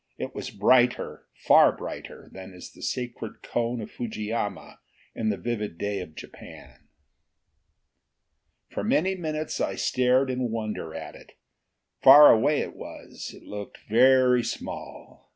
It was brighter, far brighter, than is the sacred cone of Fujiyama in the vivid day of Japan. For many minutes I stared in wonder at it. Far away it was; it looked very small.